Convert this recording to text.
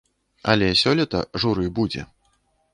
Але сёлета журы будзе.